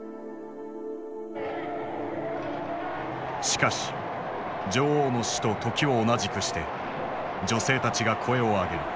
しかし女王の死と時を同じくして女性たちが声を上げる。